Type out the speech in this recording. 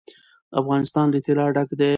افغانستان له طلا ډک دی.